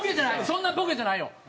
そんなボケじゃないよ。